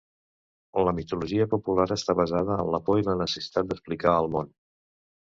La mitologia popular està basada en la por i la necessitat d'explicar el món.